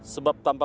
pergi ke sana